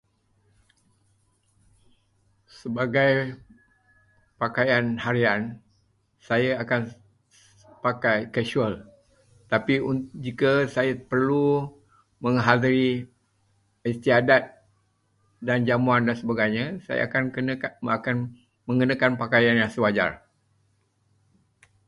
Sebagai pakaian harian, saya akan pakai kasual. Tapi jika saya perlu menghadiri istiadat dan jamuan sebagainya, saya akan mengenakan pakaian yang sewajarnya.